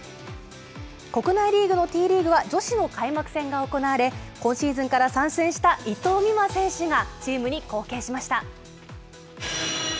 国内リーグのＴリーグは女子の開幕戦が行われ、今シーズンから参戦した伊藤美誠選手がチームに貢献しました。